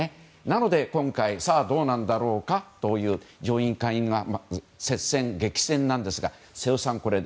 なので今回、どうなんだろうかという、上院・下院は接戦、激戦なんですが瀬尾さん